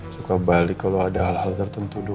suka balik kalo ada hal hal tertentu doang